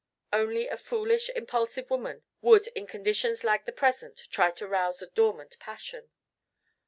Only a foolish impulsive woman would in conditions like the present try to rouse a dormant passion.